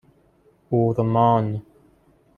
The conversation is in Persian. اورمان